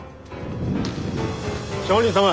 上人様。